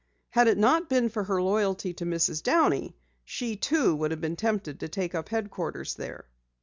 Had it not been for her loyalty to Mrs. Downey, she, too, would have been tempted to take up headquarters there.